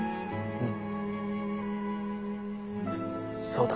うん。